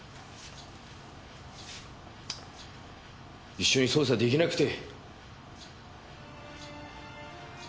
一緒に捜査できなくて。